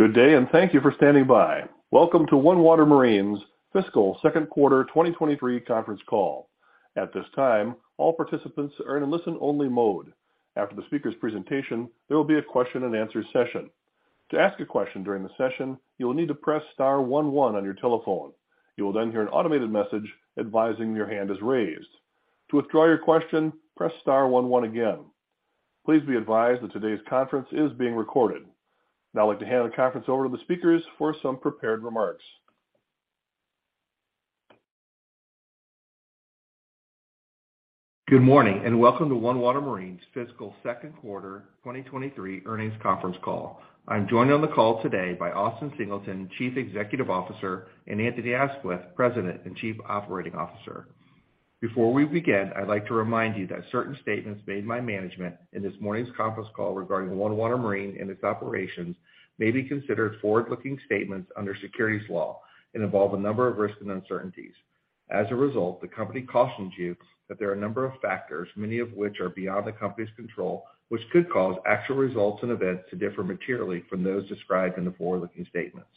Good day. Thank you for standing by. Welcome to OneWater Marine's fiscal second quarter 2023 conference call. At this time, all participants are in listen-only mode. After the speaker's presentation, there will be a question-and-answer session. To ask a question during the session, you will need to press star one one on your telephone. You will hear an automated message advising your hand is raised. To withdraw your question, press star one one again. Please be advised that today's conference is being recorded. I'd like to hand the conference over to the speakers for some prepared remarks. Good morning, welcome to OneWater Marine's fiscal second quarter 2023 earnings conference call. I'm joined on the call today by Austin Singleton, Chief Executive Officer, and Anthony Aisquith, President and Chief Operating Officer. Before we begin, I'd like to remind you that certain statements made by management in this morning's conference call regarding OneWater Marine and its operations may be considered forward-looking statements under securities law and involve a number of risks and uncertainties. As a result, the company cautions you that there are a number of factors, many of which are beyond the company's control, which could cause actual results and events to differ materially from those described in the forward-looking statements.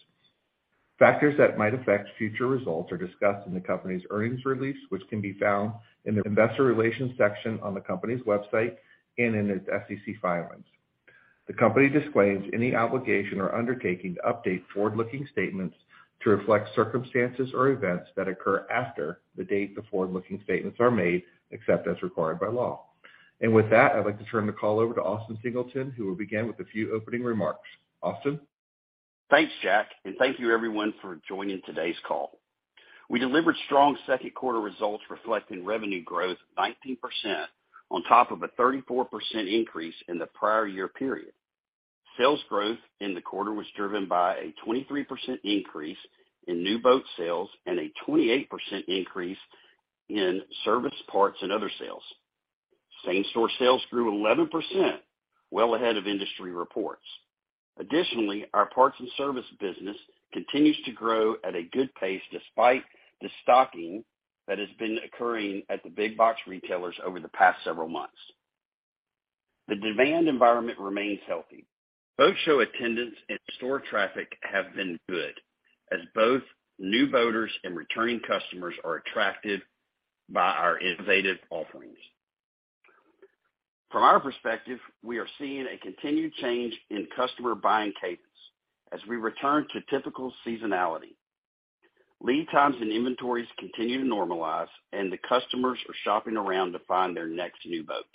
Factors that might affect future results are discussed in the company's earnings release, which can be found in the investor relations section on the company's website and in its SEC filings. The company disclaims any obligation or undertaking to update forward-looking statements to reflect circumstances or events that occur after the date the forward-looking statements are made, except as required by law. With that, I'd like to turn the call over to Austin Singleton, who will begin with a few opening remarks. Austin? Thanks, Jack. Thank you everyone for joining today's call. We delivered strong second quarter results reflecting revenue growth 19% on top of a 34% increase in the prior year period. Sales growth in the quarter was driven by a 23% increase in new boat sales and a 28% increase in service parts and other sales. Same-store sales grew 11%, well ahead of industry reports. Additionally, our parts and service business continues to grow at a good pace despite the stocking that has been occurring at the big box retailers over the past several months. The demand environment remains healthy. Boat show attendance and store traffic have been good, as both new boaters and returning customers are attracted by our innovative offerings. From our perspective, we are seeing a continued change in customer buying cadence as we return to typical seasonality. Lead times and inventories continue to normalize. The customers are shopping around to find their next new boat.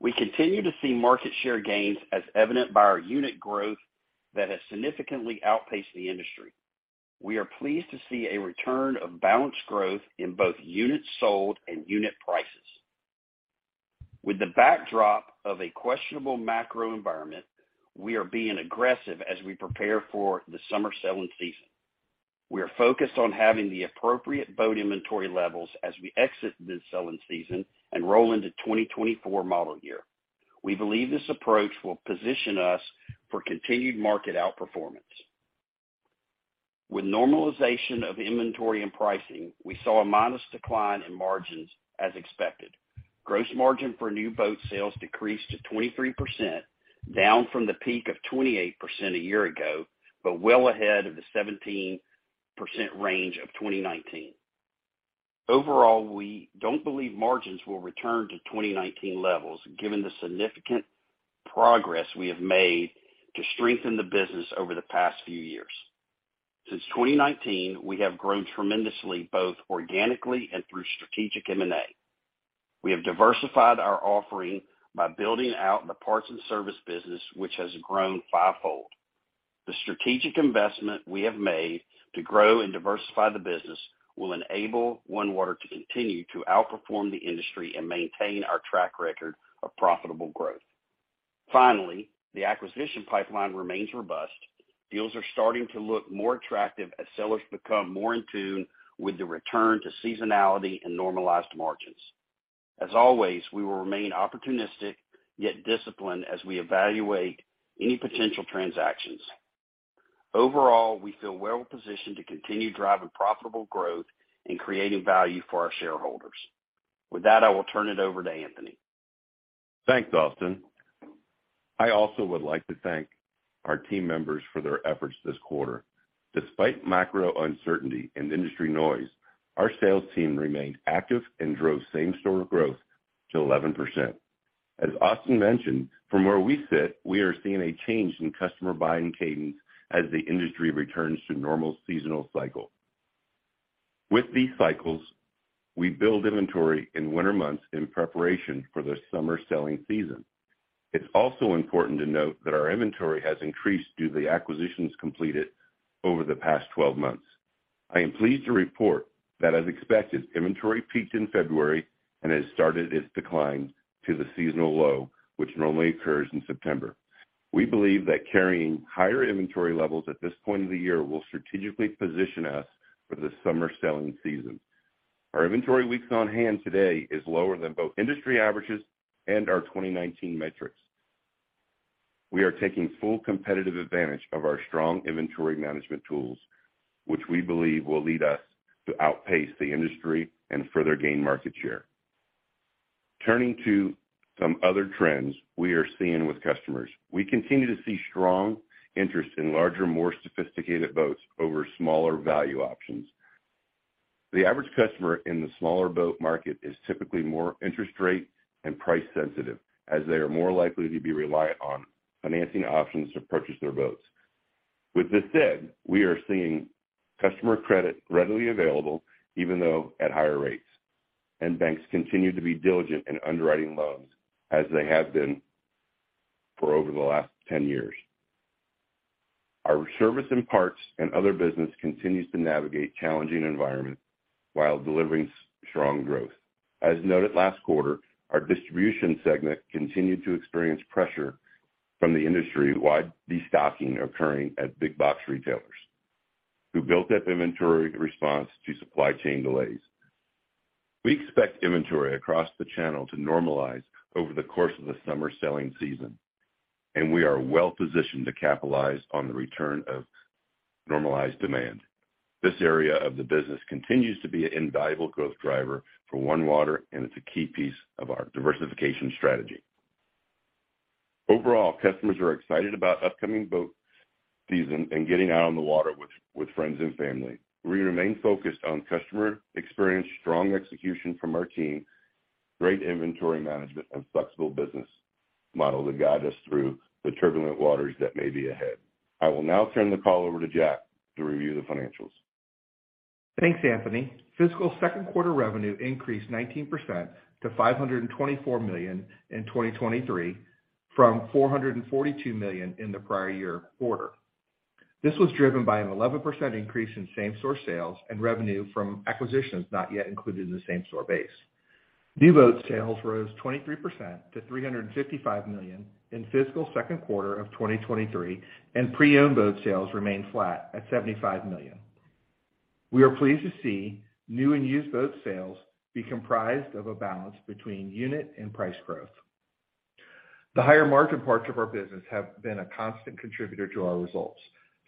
We continue to see market share gains as evident by our unit growth that has significantly outpaced the industry. We are pleased to see a return of balanced growth in both units sold and unit prices. With the backdrop of a questionable macro environment, we are being aggressive as we prepare for the summer selling season. We are focused on having the appropriate boat inventory levels as we exit this selling season and roll into 2024 model year. We believe this approach will position us for continued market outperformance. With normalization of inventory and pricing, we saw a modest decline in margins as expected. Gross margin for new boat sales decreased to 23%, down from the peak of 28% a year ago, but well ahead of the 17% range of 2019. Overall, we don't believe margins will return to 2019 levels given the significant progress we have made to strengthen the business over the past few years. Since 2019, we have grown tremendously, both organically and through strategic M&A. We have diversified our offering by building out the parts and service business, which has grown five-fold. The strategic investment we have made to grow and diversify the business will enable OneWater to continue to outperform the industry and maintain our track record of profitable growth. Finally, the acquisition pipeline remains robust. Deals are starting to look more attractive as sellers become more in tune with the return to seasonality and normalized margins. As always, we will remain opportunistic, yet disciplined, as we evaluate any potential transactions. Overall, we feel well positioned to continue driving profitable growth and creating value for our shareholders. With that, I will turn it over to Anthony. Thanks, Austin. I also would like to thank our team members for their efforts this quarter. Despite macro uncertainty and industry noise, our sales team remained active and drove same-store growth to 11%. As Austin mentioned, from where we sit, we are seeing a change in customer buying cadence as the industry returns to normal seasonal cycle. With these cycles, we build inventory in winter months in preparation for the summer selling season. It's also important to note that our inventory has increased due to the acquisitions completed over the past 12 months. I am pleased to report that, as expected, inventory peaked in February and has started its decline to the seasonal low, which normally occurs in September. We believe that carrying higher inventory levels at this point of the year will strategically position us for the summer selling season. Our inventory weeks on hand today is lower than both industry averages and our 2019 metrics. We are taking full competitive advantage of our strong inventory management tools, which we believe will lead us to outpace the industry and further gain market share. Turning to some other trends we are seeing with customers. We continue to see strong interest in larger, more sophisticated boats over smaller value options. The average customer in the smaller boat market is typically more interest rate and price sensitive, as they are more likely to be reliant on financing options to purchase their boats. With this said, we are seeing customer credit readily available even though at higher rates, and banks continue to be diligent in underwriting loans as they have been for over the last 10 years. Our Service and Parts and other business continues to navigate challenging environment while delivering strong growth. As noted last quarter, our distribution segment continued to experience pressure from the industry-wide destocking occurring at big box retailers who built up inventory in response to supply chain delays. We expect inventory across the channel to normalize over the course of the summer selling season, and we are well-positioned to capitalize on the return of normalized demand. This area of the business continues to be an invaluable growth driver for OneWater, and it's a key piece of our diversification strategy. Overall, customers are excited about upcoming boat season and getting out on the water with friends and family. We remain focused on customer experience, strong execution from our team, great inventory management, and flexible business model to guide us through the turbulent waters that may be ahead. I will now turn the call over to Jack to review the financials. Thanks, Anthony. Fiscal second quarter revenue increased 19% to $524 million in 2023, from $442 million in the prior year quarter. This was driven by an 11% increase in same-store sales and revenue from acquisitions not yet included in the same-store base. New boat sales rose 23% to $355 million in fiscal second quarter of 2023, and pre-owned boat sales remained flat at $75 million. We are pleased to see new and used boat sales be comprised of a balance between unit and price growth. The higher margin parts of our business have been a constant contributor to our results.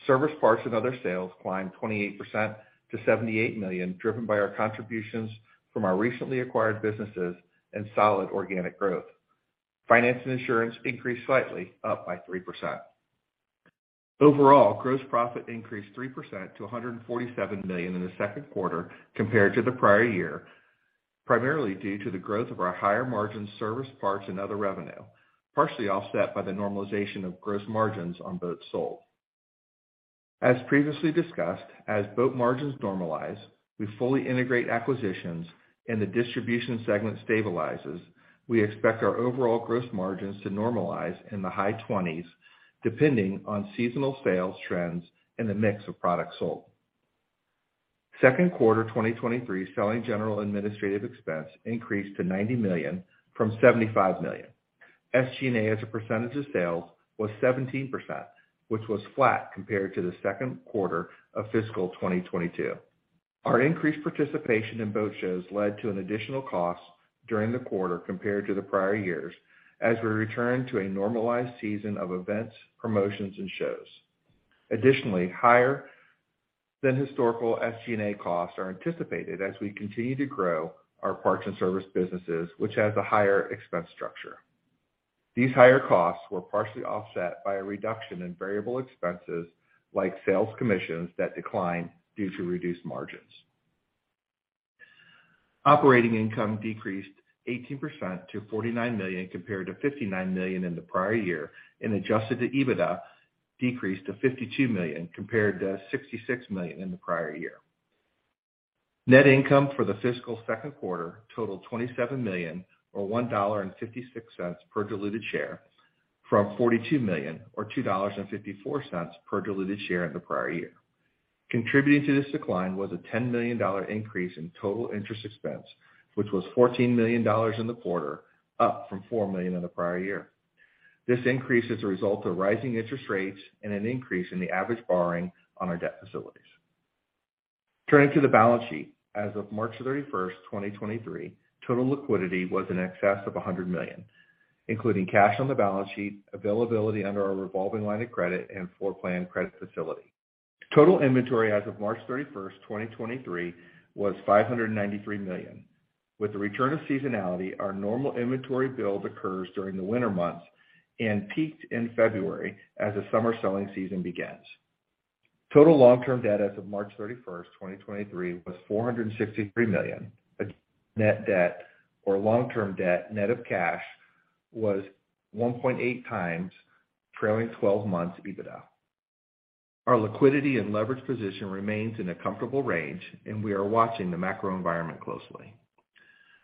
Service, parts, and other sales climbed 28% to $78 million, driven by our contributions from our recently acquired businesses and solid organic growth. Finance and insurance increased slightly, up by 3%. Overall, gross profit increased 3% to $147 million in the second quarter compared to the prior year, primarily due to the growth of our higher margin service, parts, and other revenue, partially offset by the normalization of gross margins on boats sold. As previously discussed, as boat margins normalize, we fully integrate acquisitions and the distribution segment stabilizes. We expect our overall gross margins to normalize in the high 20s, depending on seasonal sales trends and the mix of products sold. Second quarter 2023 selling general administrative expense increased to $90 million from $75 million. SG&A as a percentage of sales was 17%, which was flat compared to the second quarter of fiscal 2022. Our increased participation in boat shows led to an additional cost during the quarter compared to the prior years as we return to a normalized season of events, promotions, and shows. Additionally, higher than historical SG&A costs are anticipated as we continue to grow our parts and service businesses, which has a higher expense structure. These higher costs were partially offset by a reduction in variable expenses like sales commissions that declined due to reduced margins. Operating income decreased 18% to $49 million compared to $59 million in the prior year, and adjusted EBITDA decreased to $52 million compared to $66 million in the prior year. Net income for the fiscal second quarter totaled $27 million or $1.56 per diluted share, from $42 million or $2.54 per diluted share in the prior year. Contributing to this decline was a $10 million increase in total interest expense, which was $14 million in the quarter, up from $4 million in the prior year. This increase is a result of rising interest rates and an increase in the average borrowing on our debt facilities. Turning to the balance sheet. As of March 31st, 2023, total liquidity was in excess of $100 million, including cash on the balance sheet, availability under our revolving line of credit and floor plan credit facility. Total inventory as of March 31st, 2023, was $593 million. With the return of seasonality, our normal inventory build occurs during the winter months and peaked in February as the summer selling season begins. Total long-term debt as of March 31st, 2023, was $463 million. Net debt or long-term debt, net of cash was 1.8x trailing twelve months EBITDA. Our liquidity and leverage position remains in a comfortable range, and we are watching the macro environment closely.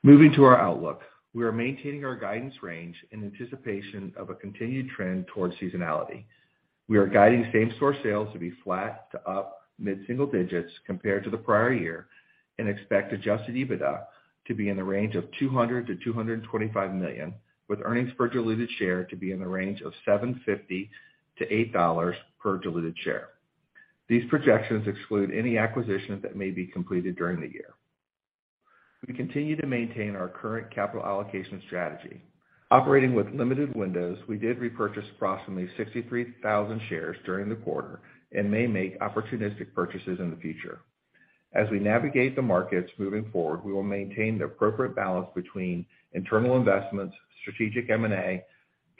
Moving to our outlook. We are maintaining our guidance range in anticipation of a continued trend towards seasonality. We are guiding same-store sales to be flat to up mid-single digits compared to the prior year, and expect adjusted EBITDA to be in the range of $200 million-$225 million, with earnings per diluted share to be in the range of $7.50-$8.00 per diluted share. These projections exclude any acquisitions that may be completed during the year. We continue to maintain our current capital allocation strategy. Operating with limited windows, we did repurchase approximately 63,000 shares during the quarter and may make opportunistic purchases in the future. As we navigate the markets moving forward, we will maintain the appropriate balance between internal investments, strategic M&A,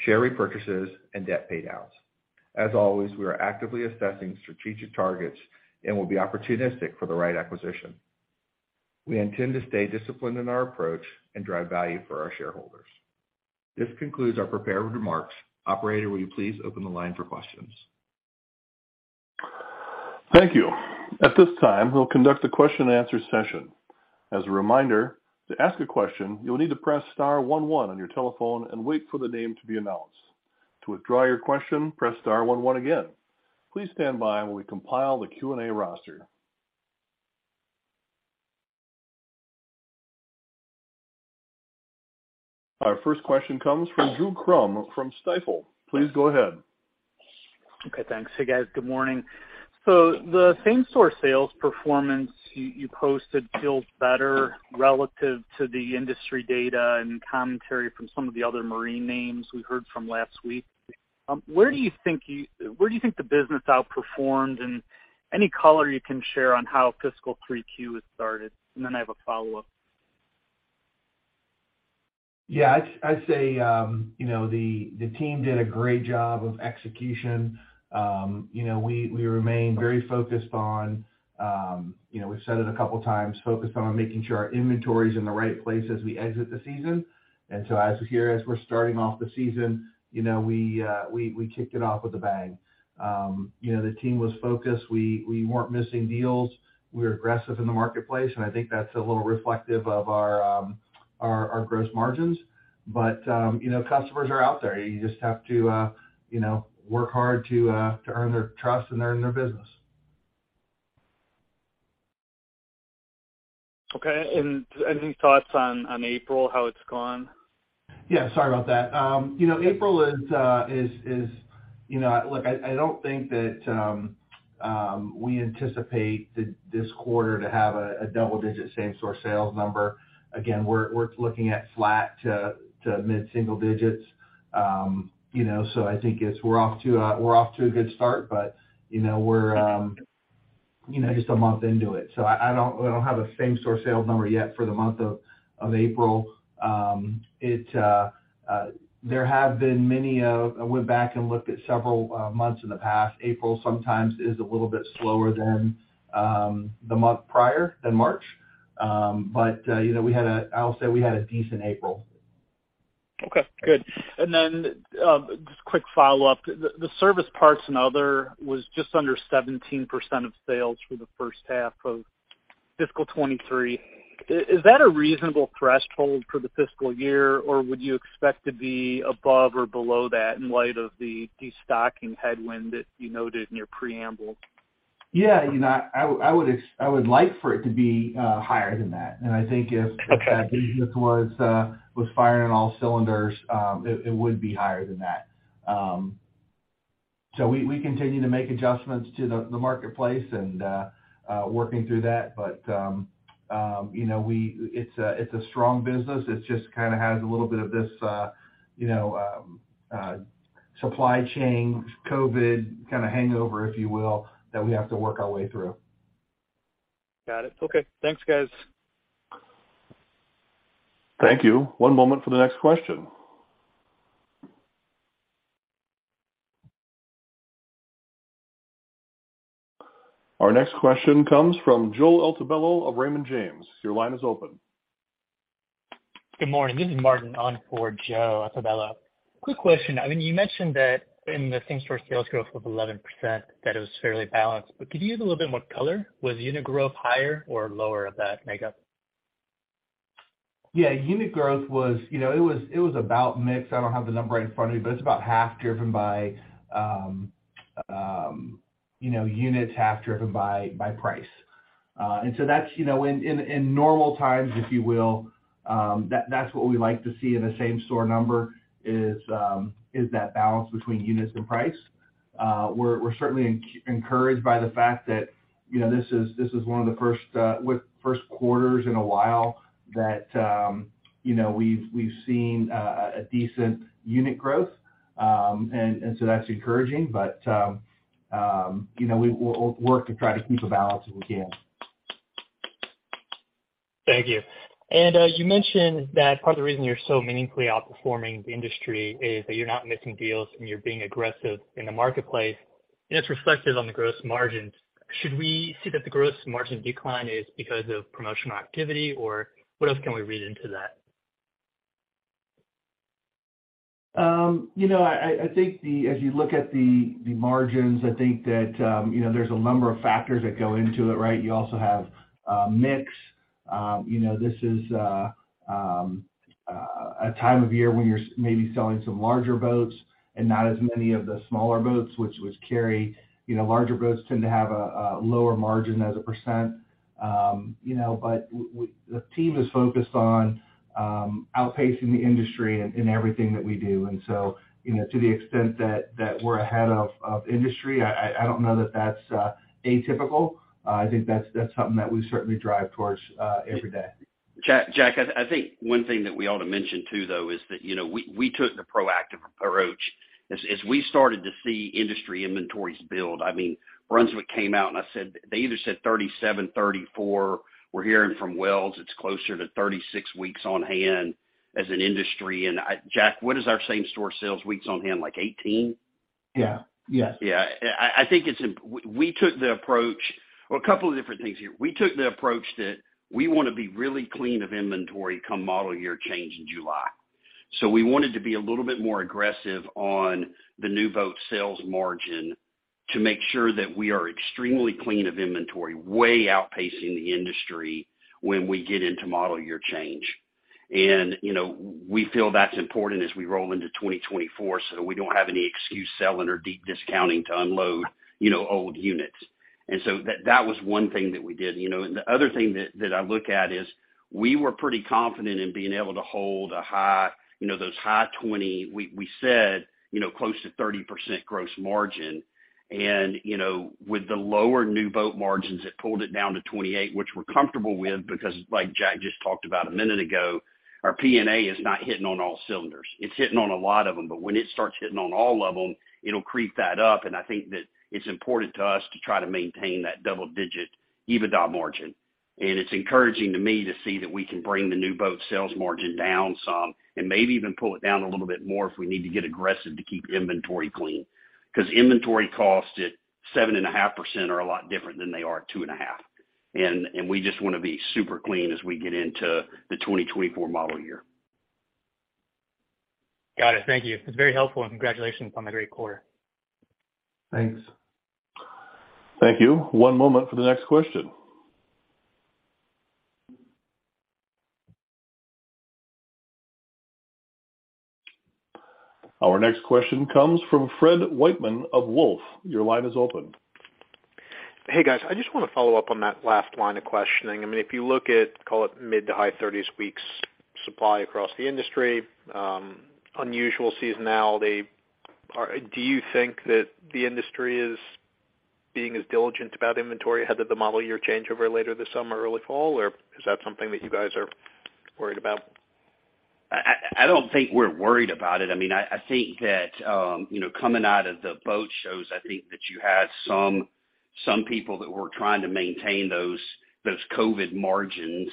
share repurchases, and debt paydowns. As always, we are actively assessing strategic targets and will be opportunistic for the right acquisition. We intend to stay disciplined in our approach and drive value for our shareholders. This concludes our prepared remarks. Operator, will you please open the line for questions? Thank you. At this time, we'll conduct a question-and-answer session. As a reminder, to ask a question, you'll need to press star one one on your telephone and wait for the name to be announced. To withdraw your question, press star one one again. Please stand by while we compile the Q&A roster. Our first question comes from Drew Crum from Stifel. Please go ahead. Okay, thanks. Hey, guys. Good morning. The same-store sales performance you posted feels better relative to the industry data and commentary from some of the other marine names we heard from last week. Where do you think the business outperformed? Any color you can share on how fiscal 3Q has started? I have a follow-up. Yeah. I'd say, you know, the team did a great job of execution. You know, we remain very focused on, you know, we've said it a couple of times, focused on making sure our inventory is in the right place as we exit the season. As here, as we're starting off the season, you know, we kicked it off with a bang. You know, the team was focused. We weren't missing deals. We were aggressive in the marketplace, and I think that's a little reflective of our gross margins. You know, customers are out there. You just have to, you know, work hard to earn their trust and earn their business. Okay. Any thoughts on April, how it's gone? Yeah, sorry about that. You know, April is, you know. Look, I don't think that we anticipate this quarter to have a double-digit same-store sales number. Again, we're looking at flat to mid-single digits. You know, so I think it's we're off to a good start, but, you know, we're, you know, just a month into it. So I don't, we don't have a same-store sales number yet for the month of April. There have been many, I went back and looked at several months in the past. April sometimes is a little bit slower than the month prior, than March. But, you know, we had a I will say we had a decent April. Good. Then, just quick follow-up. The service parts and other was just under 17% of sales for the first half of fiscal 2023. Is that a reasonable threshold for the fiscal year, or would you expect to be above or below that in light of the destocking headwind that you noted in your preamble? Yeah. You know, I would like for it to be higher than that. Okay... the business was firing on all cylinders, it would be higher than that. We continue to make adjustments to the marketplace and working through that. You know, it's a strong business. It just kind of has a little bit of this, you know, supply chain, COVID kind of hangover, if you will, that we have to work our way through. Got it. Okay. Thanks, guys. Thank you. One moment for the next question. Our next question comes from Joe Altobello of Raymond James. Your line is open. Good morning. This is Martin on for Joe Altobello. Quick question. I mean, you mentioned that in the same-store sales growth of 11%, that it was fairly balanced. Could you give a little bit more color? Was unit growth higher or lower of that makeup? Yeah. Unit growth was... You know, it was about mix. I don't have the number right in front of me, but it's about half driven by, you know, units, half driven by price. That's, you know, in normal times, if you will, that's what we like to see in a same-store number is that balance between units and price. We're certainly encouraged by the fact that, you know, this is one of the first with first quarters in a while that, you know, we've seen a decent unit growth. That's encouraging. You know, we'll work to try to keep a balance if we can. Thank you. You mentioned that part of the reason you're so meaningfully outperforming the industry is that you're not missing deals and you're being aggressive in the marketplace, and it's reflected on the gross margins. Should we see that the gross margin decline is because of promotional activity, or what else can we read into that? you know, I think as you look at the margins, I think that, you know, there's a number of factors that go into it, right? You also have mix. you know, this is a time of year when you're maybe selling some larger boats and not as many of the smaller boats, which carry, you know, larger boats tend to have a lower margin as a percent. you know, but the team is focused on outpacing the industry in everything that we do. you know, to the extent that we're ahead of industry, I don't know that that's atypical. I think that's something that we certainly drive towards every day. Jack, I think one thing that we ought to mention, too, though, is that, you know, we took the proactive approach as we started to see industry inventories build. I mean, Brunswick came out and they either said 37, 34. We're hearing from Wells it's closer to 36 weeks on hand as an industry. Jack, what is our same store sales weeks on hand? Like 18? Yeah. Yes. Yeah. I think we took the approach. A couple of different things here. We took the approach that we want to be really clean of inventory come model year change in July. We wanted to be a little bit more aggressive on the new boat sales margin to make sure that we are extremely clean of inventory, way outpacing the industry when we get into model year change. You know, we feel that's important as we roll into 2024, so we don't have any excuse selling or deep discounting to unload, you know, old units. That was one thing that we did. You know, and the other thing that I look at is we were pretty confident in being able to hold a high, you know, those high twenty. We said, you know, close to 30% gross margin. You know, with the lower new boat margins, it pulled it down to 28, which we're comfortable with because like Jack just talked about a minute ago, our P&A is not hitting on all cylinders. It's hitting on a lot of them, but when it starts hitting on all of them, it'll creep that up. I think that it's important to us to try to maintain that double-digit EBITDA margin. It's encouraging to me to see that we can bring the new boat sales margin down some and maybe even pull it down a little bit more if we need to get aggressive to keep inventory clean. Because inventory costs at 7.5% are a lot different than they are at 2.5%. We just want to be super clean as we get into the 2024 model year. Got it. Thank you. It's very helpful, and congratulations on the great quarter. Thanks. Thank you. One moment for the next question. Our next question comes from Fred Wightman of Wolfe Research. Your line is open. Hey, guys. I just want to follow up on that last line of questioning. I mean, if you look at, call it mid to high thirties weeks supply across the industry, unusual seasonality, do you think that the industry is being as diligent about inventory ahead of the model year changeover later this summer, early fall? Or is that something that you guys are worried about? I don't think we're worried about it. I mean, I think that, you know, coming out of the boat shows, I think that you had some people that were trying to maintain those COVID margins.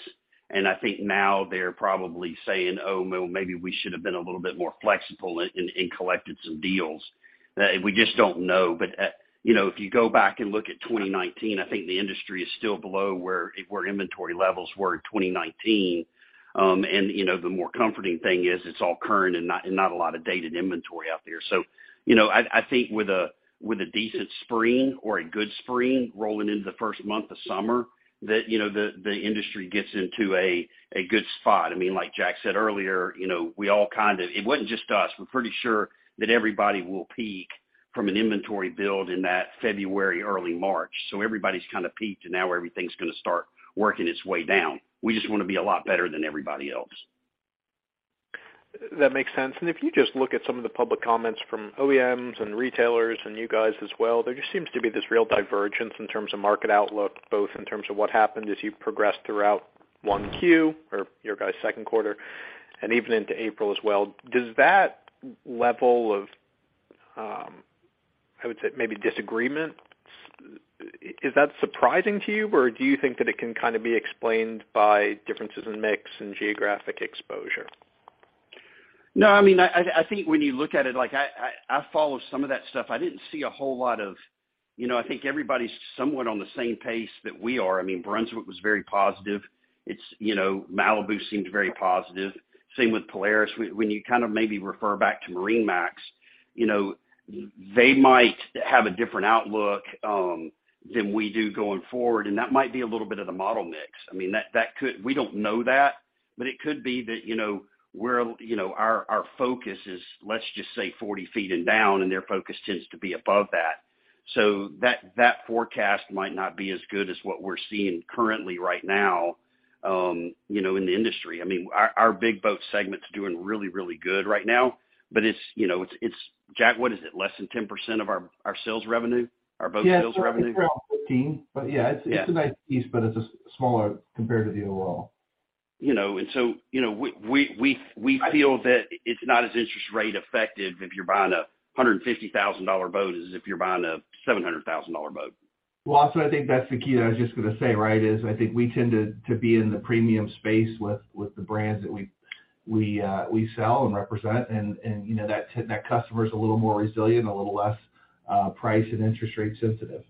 I think now they're probably saying, "Oh, well, maybe we should have been a little bit more flexible and collected some deals." We just don't know. You know, if you go back and look at 2019, I think the industry is still below where inventory levels were in 2019. You know, the more comforting thing is it's all current and not a lot of dated inventory out there. You know, I think with a, with a decent spring or a good spring rolling into the first month of summer that, you know, the industry gets into a good spot. I mean, like Jack said earlier, you know, we all kind of. It wasn't just us. We're pretty sure that everybody will peak from an inventory build in that February, early March. Everybody's kind of peaked, and now everything's going to start working its way down. We just want to be a lot better than everybody else. That makes sense. If you just look at some of the public comments from OEMs and retailers and you guys as well, there just seems to be this real divergence in terms of market outlook, both in terms of what happened as you progressed throughout 1Q or your guys' second quarter and even into April as well. Does that level of, I would say, maybe disagreement, is that surprising to you? Do you think that it can kind of be explained by differences in mix and geographic exposure? No, I mean, I think when you look at it, like I follow some of that stuff. I didn't see a whole lot of... You know, I think everybody's somewhat on the same pace that we are. I mean Brunswick was very positive. You know, Malibu seemed very positive. Same with Polaris. When you kind of maybe refer back to MarineMax, you know, they might have a different outlook than we do going forward, and that might be a little bit of the model mix. I mean, that could... We don't know that, but it could be that, you know, we're, you know, our focus is, let's just say 40 feet and down, and their focus tends to be above that. That, that forecast might not be as good as what we're seeing currently right now, you know, in the industry. I mean, our big boat segment's doing really, really good right now, but it's, you know, it's Jack, what is it? Less than 10% of our sales revenue? Our boat sales revenue? Yeah. It's around 15. yeah, it's a nice piece, but it's a smaller compared to the overall. You know, we feel that it's not as interest rate effective if you're buying a $150,000 boat as if you're buying a $700,000 boat. Well, also I think that's the key that I was just gonna say, right? Is I think we tend to be in the premium space with the brands that we sell and represent and, you know, that customer is a little more resilient, a little less price and interest rate sensitive.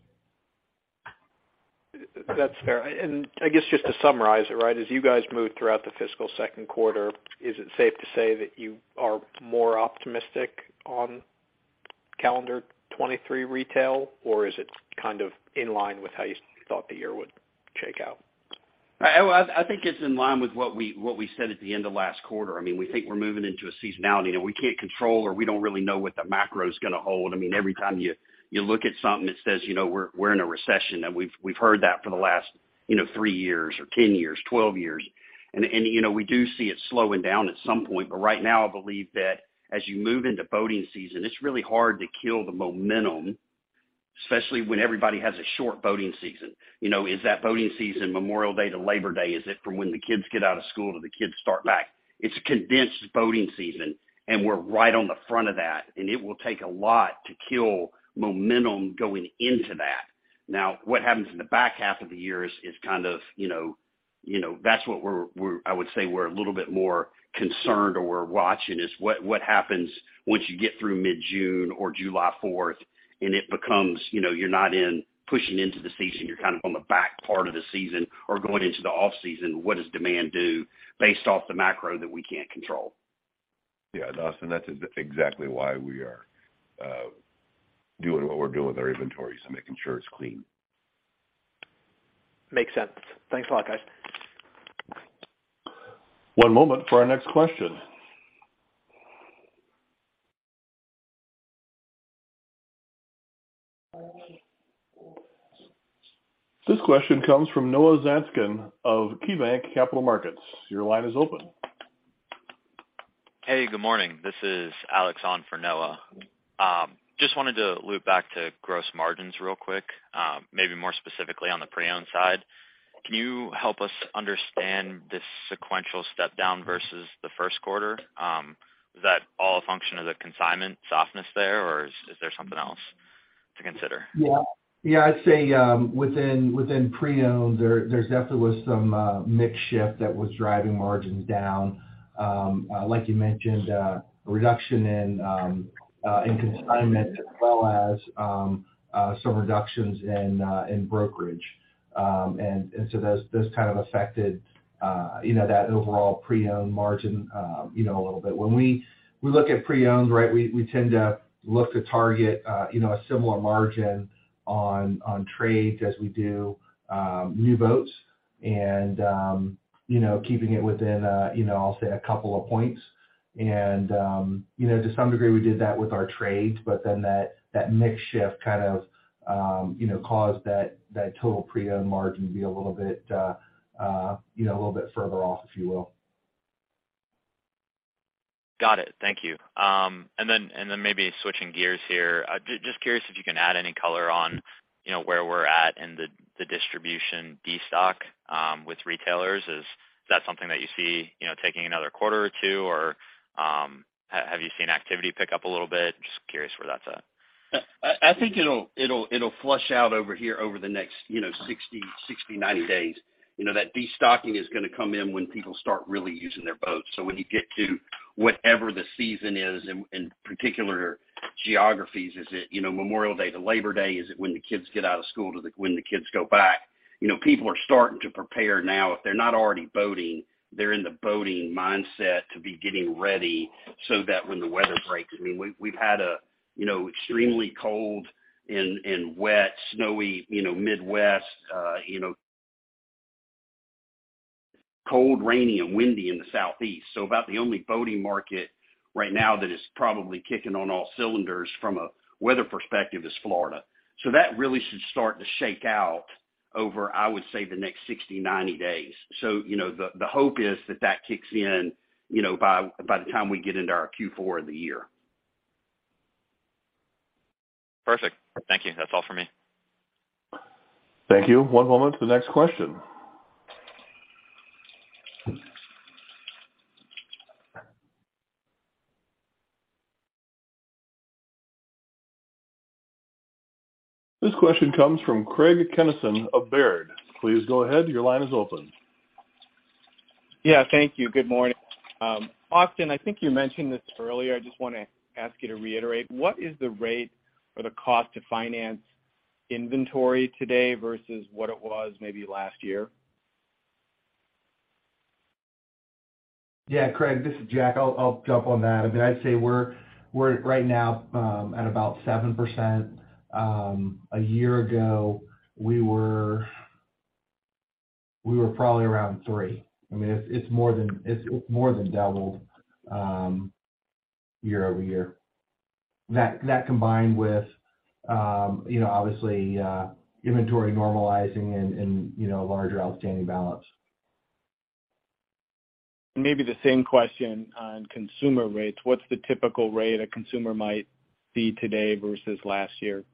That's fair. I guess just to summarize it, right? As you guys move throughout the fiscal second quarter, is it safe to say that you are more optimistic on calendar 2023 retail? Is it kind of in line with how you thought the year would shake out? I think it's in line with what we said at the end of last quarter. I mean, we think we're moving into a seasonality. You know, we can't control or we don't really know what the macro is gonna hold. I mean, every time you look at something, it says, you know, we're in a recession, and we've heard that for the last, you know, three years or 10 years, 12 years. You know, we do see it slowing down at some point. Right now, I believe that as you move into boating season, it's really hard to kill the momentum, especially when everybody has a short boating season. You know, is that boating season Memorial Day to Labor Day? Is it from when the kids get out of school to the kids start back? It's a condensed boating season, and we're right on the front of that, and it will take a lot to kill momentum going into that. What happens in the back half of the year is kind of, you know, that's what we're I would say we're a little bit more concerned or we're watching is what happens once you get through mid-June or July 4th and it becomes, you know, you're not in pushing into the season, you're kind of on the back part of the season or going into the off-season, what does demand do based off the macro that we can't control? Austin, that's exactly why we are doing what we're doing with our inventory, so making sure it's clean. Makes sense. Thanks a lot, guys. One moment for our next question. This question comes from Noah Zatzkin of KeyBanc Capital Markets. Your line is open. Hey, good morning. This is Alex on for Noah. Just wanted to loop back to gross margins real quick, maybe more specifically on the pre-owned side. Can you help us understand this sequential step down versus the first quarter? Is that all a function of the consignment softness there, or is there something else to consider? Yeah. Yeah. I'd say, within pre-owned there's definitely was some mix shift that was driving margins down. like you mentioned, a reduction in consignment as well as some reductions in brokerage. So those kind of affected, you know, that overall pre-owned margin, you know, a little bit. When we look at pre-owned, right, we tend to look to target, you know, a similar margin on trades as we do new boats and, you know, keeping it within, you know, I'll say a couple of points. You know, to some degree we did that with our trades, but then that mix shift kind of, you know, caused that total pre-owned margin to be, you know, a little bit further off, if you will. Got it. Thank you. Then maybe switching gears here. Just curious if you can add any color on, you know, where we're at in the distribution destock with retailers. Is that something that you see, you know, taking another quarter or two, or have you seen activity pick up a little bit? Just curious where that's at. I think it'll flush out over here over the next, you know, 60, 90 days. You know, that destocking is gonna come in when people start really using their boats. When you get to whatever the season is in particular geographies, is it, you know, Memorial Day to Labor Day? Is it when the kids get out of school to when the kids go back? You know, people are starting to prepare now. If they're not already boating, they're in the boating mindset to be getting ready so that when the weather breaks... I mean, we've had a, you know, extremely cold and wet, snowy, you know, Midwest, you know, cold, rainy, and windy in the Southeast. About the only boating market right now that is probably kicking on all cylinders from a weather perspective is Florida. That really should start to shake out over, I would say, the next 60, 90 days. You know, the hope is that that kicks in, you know, by the time we get into our Q4 of the year. Perfect. Thank you. That's all for me. Thank you. One moment to the next question. This question comes from Craig Kennison of Baird. Please go ahead. Your line is open. Thank you. Good morning. Austin, I think you mentioned this earlier. I just wanna ask you to reiterate, what is the rate for the cost to finance inventory today versus what it was maybe last year? Yeah, Craig, this is Jack. I'll jump on that. I mean, I'd say we're right now, at about 7%. A year ago, we were probably around 3. I mean, it's more than doubled, year-over-year. That combined with, you know, obviously, inventory normalizing and, you know, larger outstanding balance. The same question on consumer rates. What's the typical rate a consumer might see today versus last year?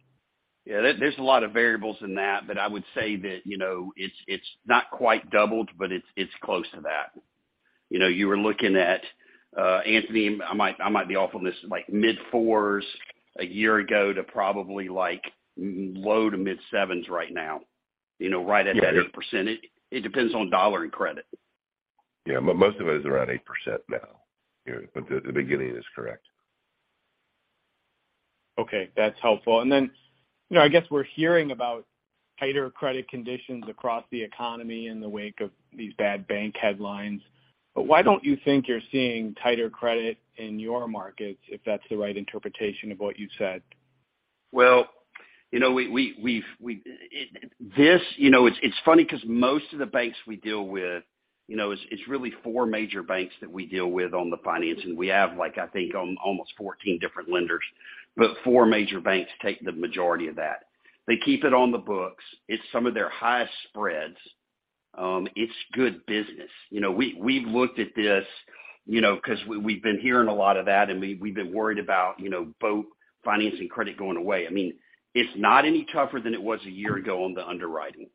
Yeah. There's a lot of variables in that, but I would say that, you know, it's not quite doubled, but it's close to that. You know, you were looking at Anthony, I might be off on this, like mid-4s a year ago to probably like low to mid-7s right now. You know, right at that 8%. It depends on dollar and credit. Yeah. Most of it is around 8% now. Yeah. The beginning is correct. Okay, that's helpful. Then, you know, I guess we're hearing about tighter credit conditions across the economy in the wake of these bad bank headlines. But why don't you think you're seeing tighter credit in your markets, if that's the right interpretation of what you said? Well, you know, this, you know, it's funny because most of the banks we deal with, you know, it's really four major banks that we deal with on the financing. We have, like, I think, almost 14 different lenders, but four major banks take the majority of that. They keep it on the books. It's some of their highest spreads. It's good business. You know, we've looked at this, you know, 'cause we've been hearing a lot of that. We've been worried about, you know, boat financing credit going away. I mean, it's not any tougher than it was a year ago on the underwriting.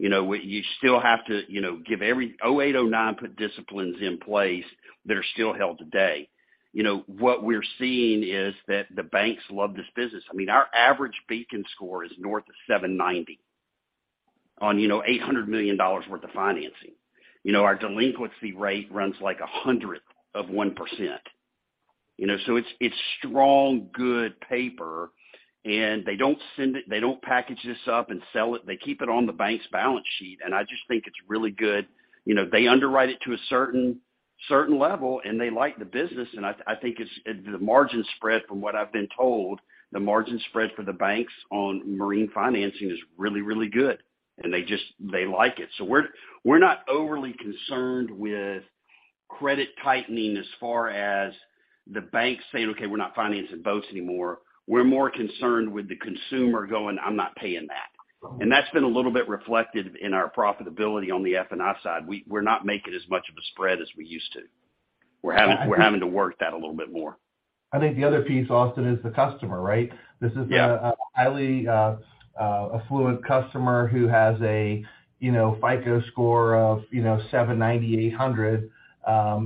You know, you still have to, you know, give every 2008, 2009 put disciplines in place that are still held today. You know, what we're seeing is that the banks love this business. I mean, our average Beacon score is north of 790 on, you know, $800 million worth of financing. You know, our delinquency rate runs like 0.01%. You know, it's strong, good paper, and they don't package this up and sell it. They keep it on the bank's balance sheet, and I just think it's really good. You know, they underwrite it to a certain level, and they like the business. I think it's the margin spread from what I've been told, the margin spread for the banks on marine financing is really good, and they just, they like it. We're not overly concerned with credit tightening as far as the bank saying, "Okay, we're not financing boats anymore." We're more concerned with the consumer going, "I'm not paying that." That's been a little bit reflected in our profitability on the F&I side. We're not making as much of a spread as we used to. We're having to work that a little bit more. I think the other piece, Austin, is the customer, right? Yeah. This is a highly affluent customer who has a, you know, FICO score of, you know, 790, 800.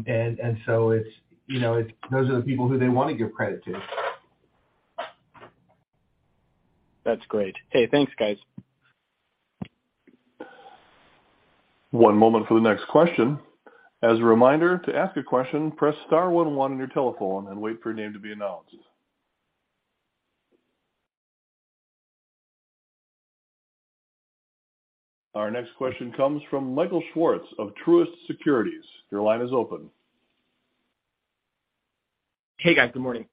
It's, you know, those are the people who they wanna give credit to. That's great. Okay. Thanks, guys. One moment for the next question. As a reminder, to ask a question, press star one one on your telephone and wait for your name to be announced. Our next question comes from Michael Swartz of Truist Securities. Your line is open. Hey, guys. Good morning.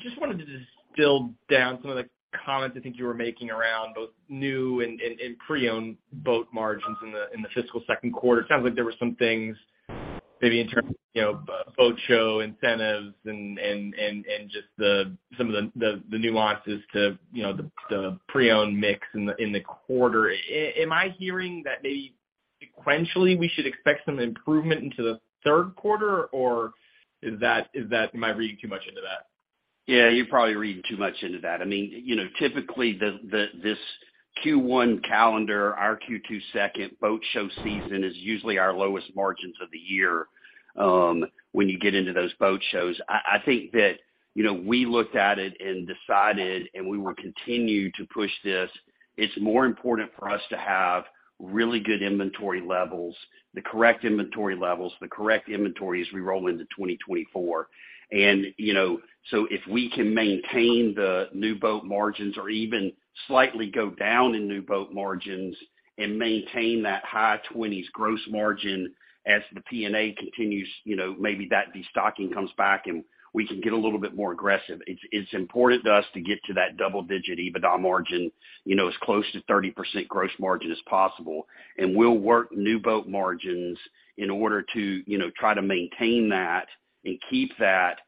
Just wanted to distill down some of the comments I think you were making around both new and pre-owned boat margins in the fiscal second quarter. It sounds like there were some things maybe in terms, you know, boat show incentives and just some of the nuances to, you know, the pre-owned mix in the quarter. Am I hearing that maybe sequentially we should expect some improvement into the third quarter, or is that am I reading too much into that? Yeah, you're probably reading too much into that. I mean, you know, typically this Q1 calendar, our Q2 second boat show season is usually our lowest margins of the year when you get into those boat shows. I think that, you know, we looked at it and decided, we will continue to push this. It's more important for us to have really good inventory levels, the correct inventory levels, the correct inventory as we roll into 2024. You know, if we can maintain the new boat margins or even slightly go down in new boat margins and maintain that high twenties gross margin as the P&A continues, you know, maybe that destocking comes back, we can get a little bit more aggressive. It's important to us to get to that double-digit EBITDA margin, you know, as close to 30% gross margin as possible. We'll work new boat margins in order to, you know, try to maintain that and keep that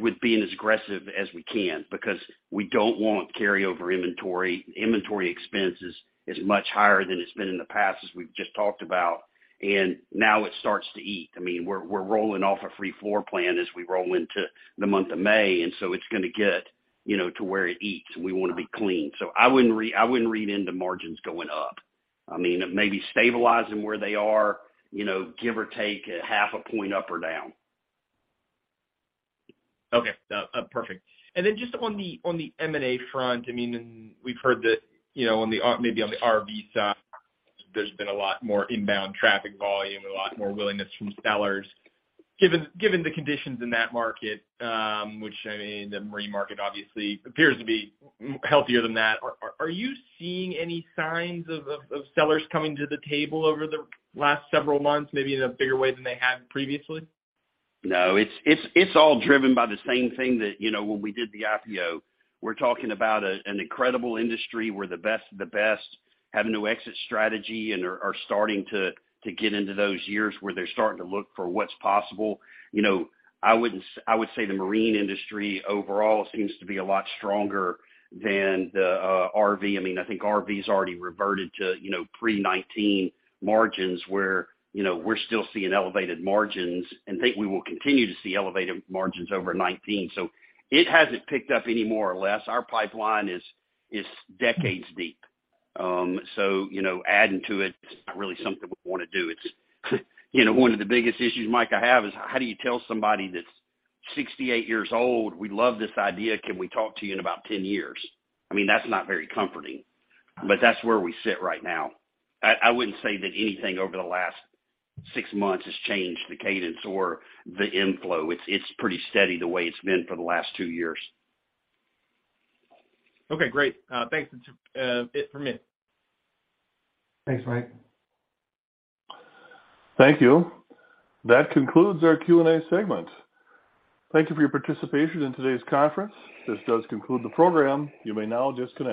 with being as aggressive as we can because we don't want carryover inventory. Inventory expenses is much higher than it's been in the past, as we've just talked about, and now it starts to eat. I mean, we're rolling off a free floor plan as we roll into the month of May, it's gonna get, you know, to where it eats. We wanna be clean. I wouldn't read into margins going up. I mean, it may be stabilizing where they are, you know, give or take a half a point up or down. Okay. perfect. Then just on the M&A front, I mean, we've heard that, you know, on the RV side, there's been a lot more inbound traffic volume, a lot more willingness from sellers. Given, given the conditions in that market, which, I mean, the marine market obviously appears to be healthier than that, are you seeing any signs of sellers coming to the table over the last several months, maybe in a bigger way than they have previously? It's all driven by the same thing that, you know, when we did the IPO, we're talking about an incredible industry where the best of the best have no exit strategy and are starting to get into those years where they're starting to look for what's possible. You know, I would say the marine industry overall seems to be a lot stronger than the RV. I mean, I think RV's already reverted to, you know, pre-2019 margins where, you know, we're still seeing elevated margins and think we will continue to see elevated margins over 2019. It hasn't picked up any more or less. Our pipeline is decades deep. You know, adding to it is not really something we wanna do. It's, you know, one of the biggest issues, Mike, I have is how do you tell somebody that's 68 years old, "We love this idea. Can we talk to you in about 10 years?" I mean, that's not very comforting, but that's where we sit right now. I wouldn't say that anything over the last six months has changed the cadence or the inflow. It's, it's pretty steady the way it's been for the last two years. Okay, great. Thanks. That's it for me. Thanks, Mike. Thank you. That concludes our Q&A segment. Thank you for your participation in today's conference. This does conclude the program. You may now disconnect.